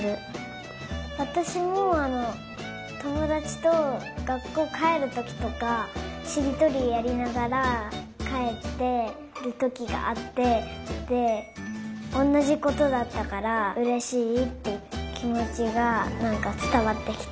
わたしもともだちとがっこうかえるときとかしりとりやりながらかえってるときがあってでおんなじことだったからうれしいってきもちがなんかつたわってきた。